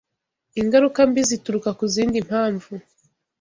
Ingaruka mbi Zituruka ku Zindi Mpamvu